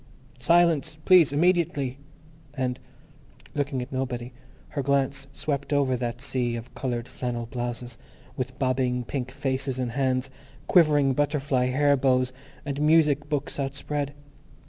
"Silence, please! Immediately!" and, looking at nobody, her glance swept over that sea of coloured flannel blouses, with bobbing pink faces and hands, quivering butterfly hair bows, and music books outspread.